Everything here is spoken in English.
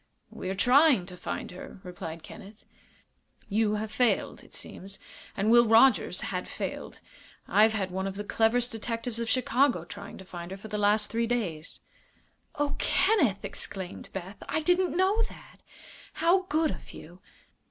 "We are trying to find her," replied Kenneth. "You have failed, it seems, and Will Rogers had failed. I've had one of the cleverest detectives of Chicago trying to find her for the last three days." "Oh, Kenneth!" exclaimed Beth. "I didn't know that. How good of you!"